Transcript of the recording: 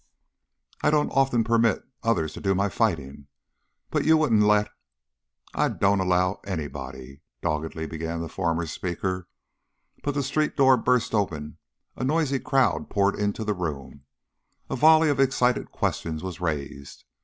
"I don't often permit others to do my fighting. But you wouldn't let " "I don't allow anybody " doggedly began the former speaker, but the street door burst open, a noisy crowd poured into the room, a volley of excited questions was raised.